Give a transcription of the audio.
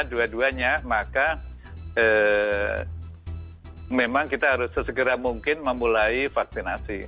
dua duanya maka memang kita harus sesegera mungkin memulai vaksinasi